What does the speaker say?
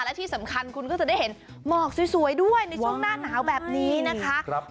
และที่สำคัญคุณก็จะได้เห็นหมอกสวยด้วยในช่วงหน้าหนาวแบบนี้นะคะ